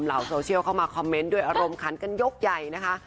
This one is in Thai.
เหล่าโซเชียลเข้ามาคอมเมนต์ด้วยอารมณ์ขันกันยกใหญ่นะคะ